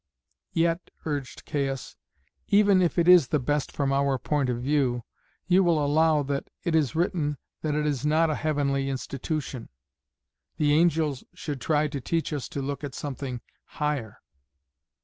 "Yet," urged Caius, "even if it is the best from our point of view, you will allow that it is written that it is not a heavenly institution. The angels should try to teach us to look at something higher."